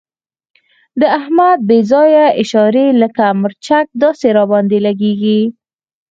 د احمد بې ځایه اشارې لکه مرچک داسې را باندې لګېږي.